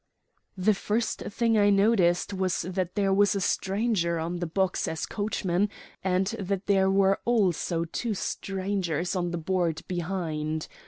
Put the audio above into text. "The first thing I noticed was that there was a stranger on the box as coachman, and that there were also two strangers on the board behind.